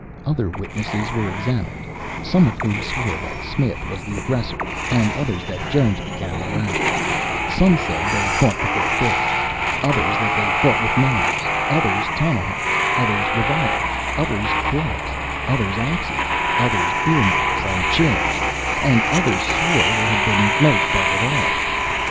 Other witnesses were examined, some of whom swore that Smith was the aggressor, and others that Jones began the row; some said they fought with their fists, others that they fought with knives, others tomahawks, others revolvers, others clubs, others axes, others beer mugs and chairs, and others swore there had been no fight at all.